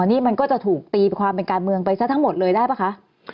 นี่มันก็จะถูกตีความเป็นการเมืองไปซะทั้งหมดเลยได้ป่ะคะ